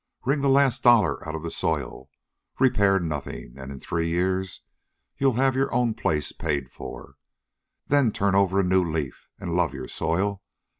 Wring the last dollar out of the soil, repair nothing, and in three years you'll have your own place paid for. Then turn over a new leaf, and love your soil.